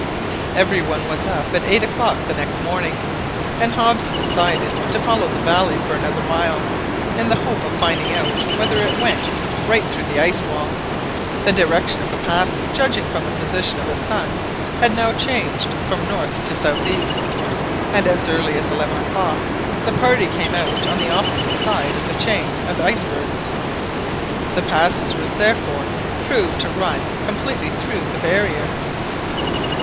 Every one was up at eight o'clock the next morning, and Hobson decided to follow the valley for another mile, in the hope of finding out whether it went right through the ice wall. The direction of the pass, judging from the position of the sun, had now changed from north to south east, and as early as eleven o'clock the party came out on the opposite side of the chain of icebergs. The passage was therefore proved to run completely through the barrier.